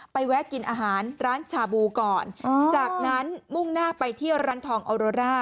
แวะกินอาหารร้านชาบูก่อนจากนั้นมุ่งหน้าไปที่ร้านทองออโรร่า